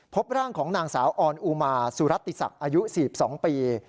พบร่างของนางสาวออนอุมาสุรัตติศักดิ์อายุ๔๒ปี